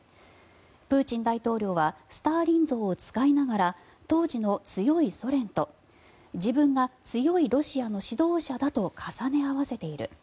プーチン大統領はスターリン像を使いながら当時の強いソ連と自分が強いロシアの指導者だと重ね合わせている。